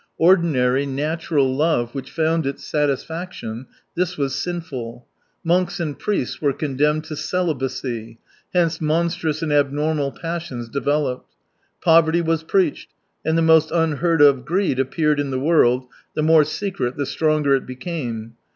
Ordinary, natural love, which found its satisfaction — this was sinfuL Monks and priests were condemned to celibacy — hence monstrous and abnormal passions developed. Poverty was preached, and the most unheard of greed appeared in the world, the more secret the stronger it became.